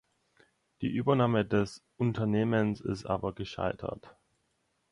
Die Übernahme des Unternehmens ist aber gescheitert.